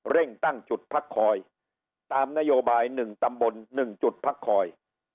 เร่งตั้งจุดพักคอยตามนโยบาย๑ตำบล๑จุดพักคอย